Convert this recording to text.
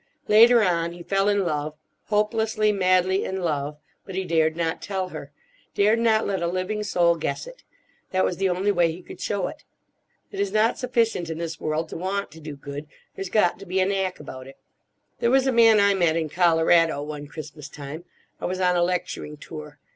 Later on he fell in love—hopelessly, madly in love. But he dared not tell her—dared not let a living soul guess it. That was the only way he could show it. It is not sufficient, in this world, to want to do good; there's got to be a knack about it. There was a man I met in Colorado, one Christmas time. I was on a lecturing tour.